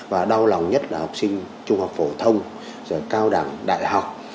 và đau lòng nhất là học sinh trung học phổ thông cao đẳng đại học